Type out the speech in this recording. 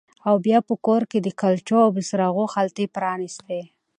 او بیا په کور کې د کلچو او بوسراغو خلطې پرانیستې